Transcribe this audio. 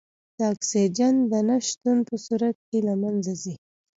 د اکسیجن د نه شتون په صورت کې له منځه ځي.